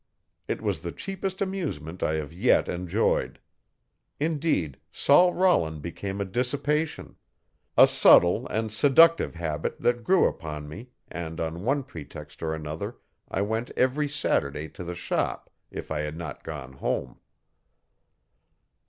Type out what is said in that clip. It was the cheapest amusement I have yet enjoyed. Indeed Sol Rollin became a dissipation, a subtle and seductive habit that grew upon me and on one pretext or another I went every Saturday to the shop if I had not gone home.